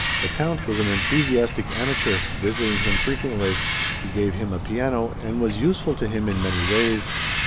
The Count was an enthusiastic amateur, visiting him frequently. He gave him a piano, and was useful to him in many ways.